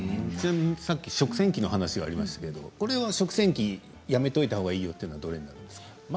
食洗機の話がありましたけどこれは食洗機やめておいたほうがいいよというのはありますか？